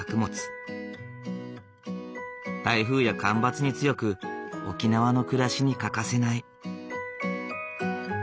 台風や干ばつに強く沖縄の暮らしに欠かせない。